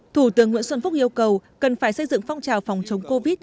thủ tướng nguyễn xuân phúc yêu cầu cần phải xây dựng phong trào phòng chống covid